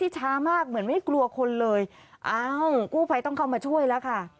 ช้ามากเหมือนไม่กลัวคนเลยอ้าวกู้ภัยต้องเข้ามาช่วยแล้วค่ะ